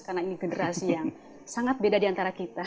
karena ini generasi yang sangat beda di antara kita